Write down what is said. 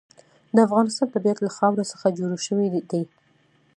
د افغانستان طبیعت له خاوره څخه جوړ شوی دی.